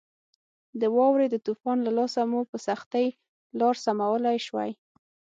د واورې د طوفان له لاسه مو په سختۍ لار سمولای شوای.